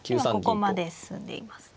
今ここまで進んでいますね。